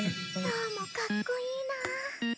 今日もかっこいいな。